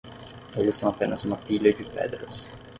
Eles são apenas uma pilha de pedras.